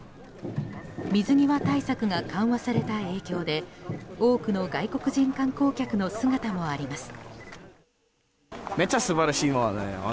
水際対策が緩和された影響で多くの外国人観光客の姿もあります。